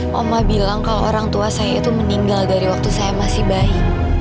mama bilang kalau orang tua saya itu meninggal dari waktu saya masih bayi